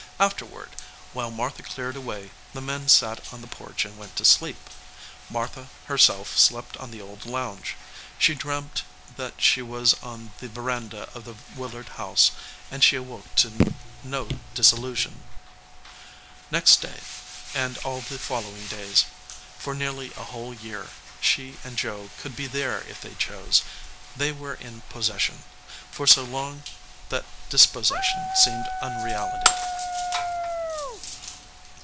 Afterward, while Martha cleared away, the men sat on the porch and went to sleep. Martha herself slept on the old lounge. She dreamed that she was on the veranda of the Willard house and she awoke to no disillusion. Next day, and all the following days, for nearly a whole year, she and Joe could be there if they chose. They were in possession; for so long that dispossession seemed unreality.